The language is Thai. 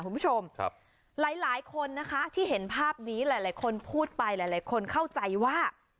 คุณผู้ชมครับหลายคนนะคะที่เห็นภาพนี้หลายคนพูดไปหลายคนเข้าใจว่า